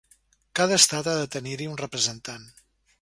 Cada estat ha de tenir-hi un representant.